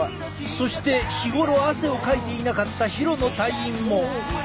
そして日頃汗をかいていなかった廣野隊員も。